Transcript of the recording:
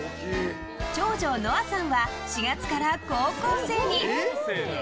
長女・希空さんは４月から高校生に。